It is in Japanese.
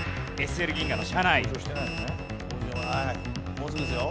もうすぐですよ。